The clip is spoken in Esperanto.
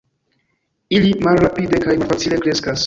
Ili malrapide kaj malfacile kreskas.